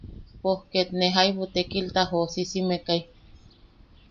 Pos ket ne jaibu tekilta joʼosisimekai.